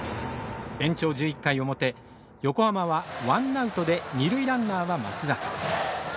延長１１回表横浜はワンアウトで二塁ランナーは松坂。